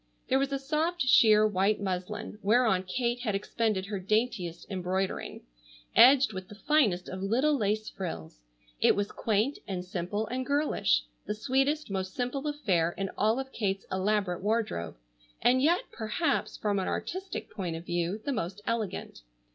There was a soft sheer white muslin, whereon Kate had expended her daintiest embroidering, edged with the finest of little lace frills. It was quaint and simple and girlish, the sweetest, most simple affair in all of Kate's elaborate wardrobe, and yet, perhaps, from an artistic point of view, the most elegant.